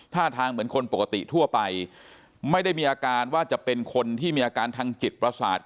ท่าทางเหมือนคนปกติทั่วไปไม่ได้มีอาการว่าจะเป็นคนที่มีอาการทางจิตประสาท